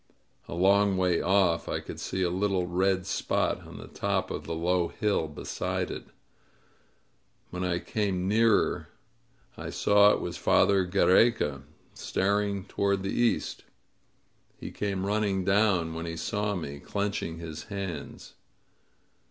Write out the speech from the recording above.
A long way off I could see a little red spot on the top of the low hill beside it; when I came nearer, I saw it was father Giiereca, staring toward the east. He came running down when he saw me, clenching his hands.